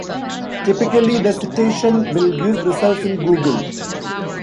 Typically the citation will give results in google.